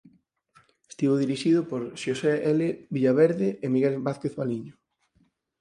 Estivo dirixido por Xosé L. Villaverde e Miguel Vázquez Valiño.